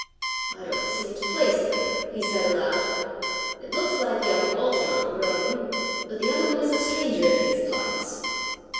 "I don't seem to place them," he said aloud. "It looks like young Walton on the roan, but the other one is a stranger in these parts."